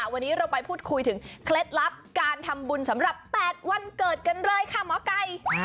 วันนี้เราไปพูดคุยถึงเคล็ดลับการทำบุญสำหรับ๘วันเกิดกันเลยค่ะหมอไก่